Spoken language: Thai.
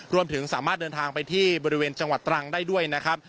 รวมถึงสามารถเดินทางไปที่บริเวณจังหวัดตรังได้ด้วยนะครับ